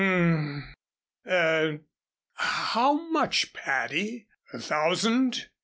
"Um er how much, Patty? A thousand?